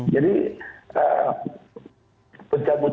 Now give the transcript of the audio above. jadi pecah buta